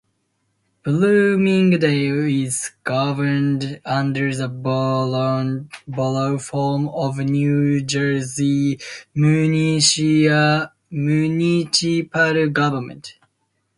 Bloomingdale is governed under the Borough form of New Jersey municipal government.